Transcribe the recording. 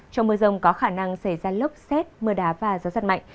trong mưa rông có khả năng xảy ra lốc xét mưa đá và gió giật mạnh